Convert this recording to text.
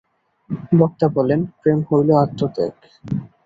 বক্তা বলেন, প্রেম হইল আত্মত্যাগ।